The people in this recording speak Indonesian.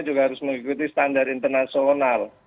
juga harus mengikuti standar internasional